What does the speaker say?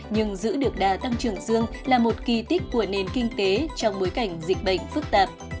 nhưng giữ được đa tăng trưởng dương là một kỳ tích của nền kinh tế trong bối cảnh dịch bệnh phức tạp